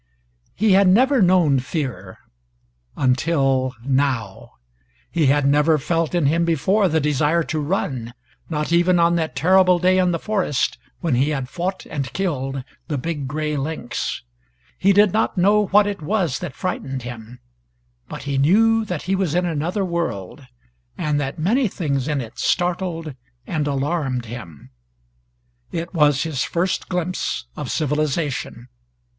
He had never known fear until now. He had never felt in him before the desire to run not even on that terrible day in the forest when he had fought and killed the big gray lynx. He did not know what it was that frightened him, but he knew that he was in another world, and that many things in it startled and alarmed him. It was his first glimpse of civilization.